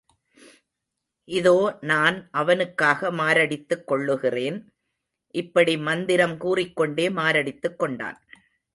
இதோ நான் அவனுக்காக மாரடித்துக் கொள்ளுகிறேன். இப்படி மந்திரம் கூறிக்கொண்டே மாரடித்துக் கொண்டான்.